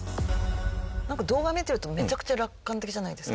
動画見てるとめちゃくちゃ楽観的じゃないですか。